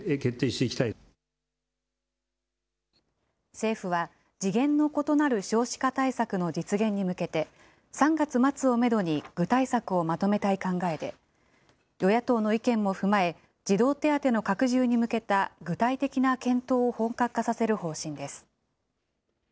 政府は、次元の異なる少子化対策の実現に向けて、３月末をメドに具体策をまとめたい考えで、与野党の意見も踏まえ、児童手当の拡充に向けた具体的な検討を本格化させる方針です。